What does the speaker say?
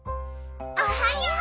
おはよう。